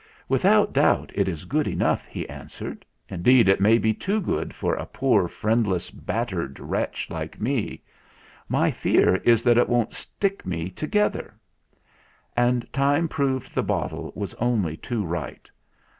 "Without doubt it is good enough," he answered. "Indeed, it may be too good for a poor, friendless, battered wretch like me. My fear is that it won't stick me together." And time proved the bottle was only too right.